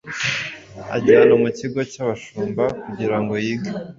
ajyana mu kigo cyabashumba kugira ngo yige